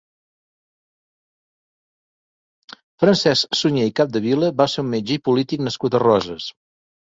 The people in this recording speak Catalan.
Francesc Suñer i Capdevila va ser un metge i polític nascut a Roses.